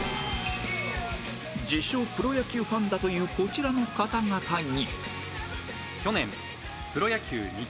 自称プロ野球ファンだというこちらの方々に